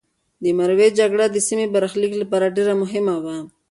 د مروې جګړه د سیمې د برخلیک لپاره ډېره مهمه وه.